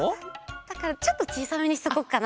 だからちょっとちいさめにしとこっかな。